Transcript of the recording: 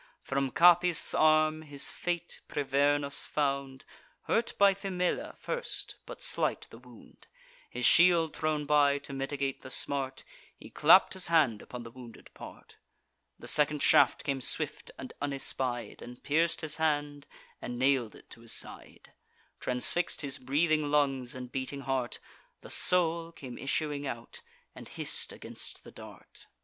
From Capys' arms his fate Privernus found: Hurt by Themilla first—but slight the wound— His shield thrown by, to mitigate the smart, He clapp'd his hand upon the wounded part: The second shaft came swift and unespied, And pierc'd his hand, and nail'd it to his side, Transfix'd his breathing lungs and beating heart: The soul came issuing out, and hiss'd against the dart.